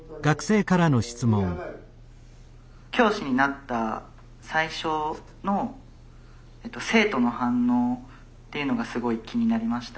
教師になった最初の生徒の反応っていうのがすごい気になりました。